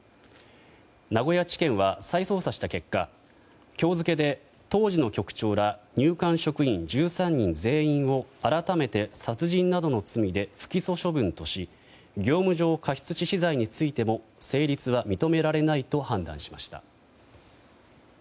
名古屋地検は再捜査した結果今日付けで当時の局長ら入管職員１３人全員を改めて殺人などの罪で不起訴処分とし業務上過失致死罪についても成立は認められないと判断しました。